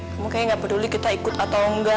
kamu kayaknya nggak peduli kita ikut atau enggak